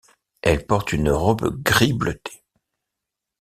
Elle porte une robe gris bleuté.